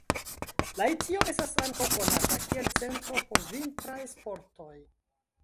Lahtio estas ankaŭ konata kiel centro por vintraj sportoj.